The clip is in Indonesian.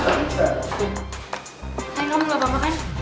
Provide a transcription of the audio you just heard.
hai kamu ga apa apa ben